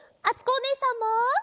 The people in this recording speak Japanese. あつこおねえさんも。